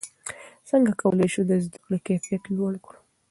څنګه کولای سو د زده کړې کیفیت لوړ کړو؟